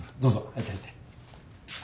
入って入って。